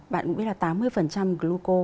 bạn cũng biết là tám mươi gluco